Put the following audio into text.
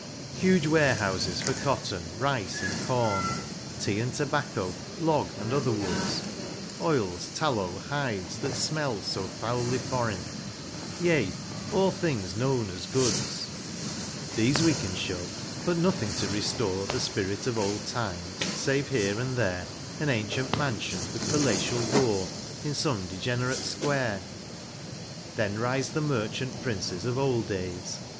Huge warehouses for cotton, rice, and corn, Tea and tobacco, log and other woods, Oils, tallow, hides that smell so foully foreign, Yea, all things known as goods, — These we can show, but nothing to restore The spirit of old times, save here and there An ancient mansion with palatial door. In some degenerate square. Then rise the merchant princes of old days.